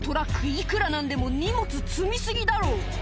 いくら何でも荷物積み過ぎだろ